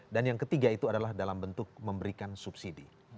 dan yang ketiga itu adalah dalam bentuk memberikan subsidi